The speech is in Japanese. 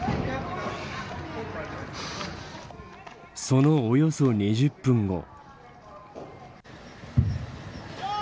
そのおよそ２０分後。